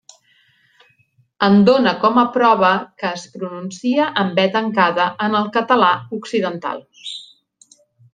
En dona com a prova que es pronuncia amb e tancada en el català occidental.